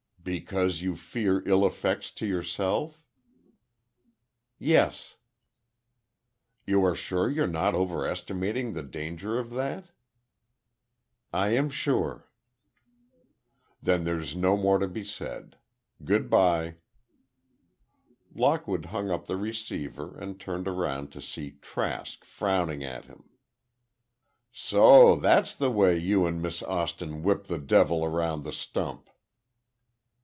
"Because you fear ill effects to yourself?" "Yes." "You are sure you're not overestimating the danger of that?" "I am sure." "Then there's no more to be said. Good by." Lockwood hung up the receiver, and turned around to see Trask frowning at him. "So that's the way you and Miss Austin whip the devil around the stump!"